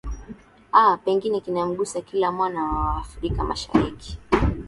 aa pengine kinamgusa kila mwana wa wa afrika mashariki